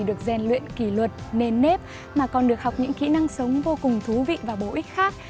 được gian luyện kỷ luật nền nếp mà còn được học những kỹ năng sống vô cùng thú vị và bổ ích khác